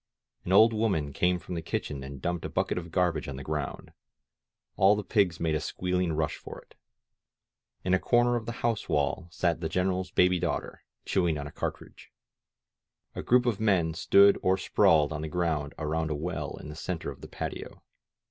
An old woman came from the kitchen and dumped a bucket of garbage on the ground ; all the pigs made a squealing rush for it. In a corner of the house wall sat the GreneraPs baby daughter, chewing on a cartridge. A group of men stood or sprawled on the ground around a well in the center of the patio.